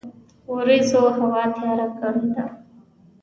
وریځوهوا تیار کړی ده